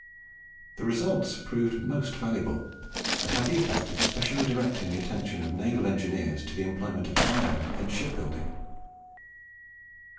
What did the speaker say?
The results proved most valuable, and had the effect of specially directing the attention of naval engineers to the employment of iron in ship building.